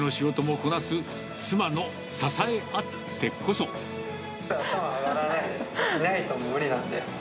いないと無理なんで。